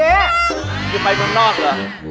จะไปเมืองนอกเหรอ